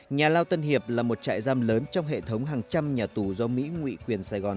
nhà lao tân hiệp là một trại giam lớn trong hệ thống hàng trăm nhà tù do mỹ ngụy quyền sài gòn